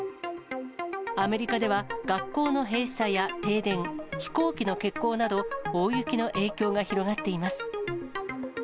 アメリカでは、学校の閉鎖や停電、飛行機の欠航など、大雪の影響が広がっています。